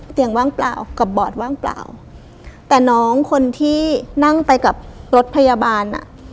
ว่างเปล่ากับบอดว่างเปล่าแต่น้องคนที่นั่งไปกับรถพยาบาลอ่ะ